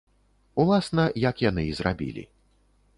Уласна, як яны і зрабілі.